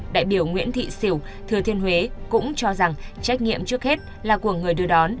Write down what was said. đại biểu nguyễn thị xỉu thừa thiên huế cũng cho rằng trách nhiệm trước hết là của người đưa đón